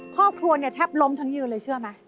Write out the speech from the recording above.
ครอบครัวเนี่ยแทบล้มทั้งยืนเลยเชื่อไหม